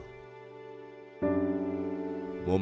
momen yang terakhir